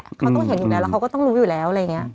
เขาต้องเห็นอยู่แล้วแล้วเขาก็ต้องรู้อยู่แล้วอะไรอย่างนี้